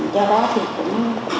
do đó thì cũng